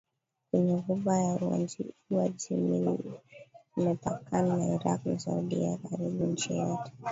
kwenye Ghuba ya UajemiImepakana na Irak na Saudia Karibu nchi yote